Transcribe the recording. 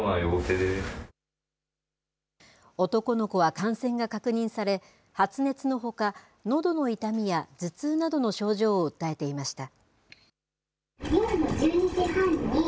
男の子は感染が確認され、発熱のほか、のどの痛みや頭痛などの症状を訴えていました。